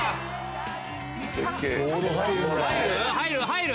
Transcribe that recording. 入る？